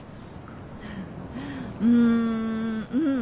うんうん。